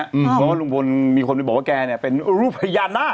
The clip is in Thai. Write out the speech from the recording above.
เพราะว่าลุงพลมีคนไปบอกว่าแกเนี่ยเป็นรูปพญานาค